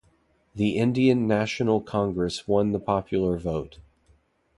The Indian National Congress won the popular vote.